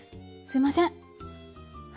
すいません。